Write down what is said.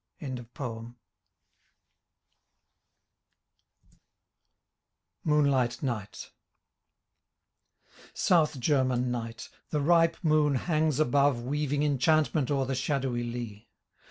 22 MOONLIGHT NIGHT South German night! the ripe moon hangs above Weaving enchantment o'er the shadowy lea.